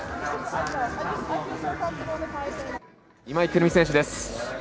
今井胡桃選手です。